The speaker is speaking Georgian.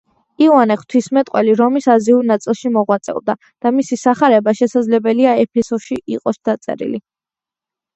იოანე ღვთისმეტყველი რომის აზიურ ნაწილში მოღვაწეობდა, და მისი სახარება შესაძლებელია ეფესოში იყოს დაწერილი.